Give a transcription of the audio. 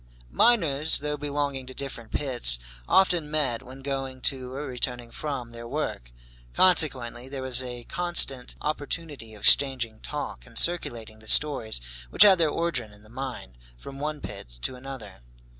Miners, though belonging to different pits, often met, when going to or returning from their work. Consequently there was a constant opportunity of exchanging talk, and circulating the stories which had their origin in the mine, from one pit to another.